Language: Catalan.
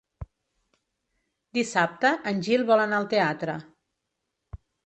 Dissabte en Gil vol anar al teatre.